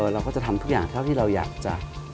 เราก็จะทำทุกอย่างเท่าที่เราอยากจะ